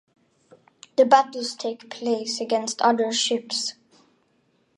The battles take place against other ships.